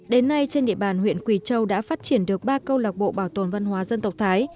đến nay trên địa bàn huyện quỳ châu đã phát triển được ba câu lạc bộ bảo tồn văn hóa dân tộc thái